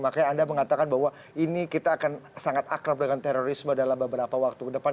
makanya anda mengatakan bahwa ini kita akan sangat akrab dengan terorisme dalam beberapa waktu ke depan